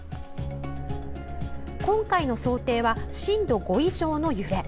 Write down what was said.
今回の想定は、震度５以上の揺れ。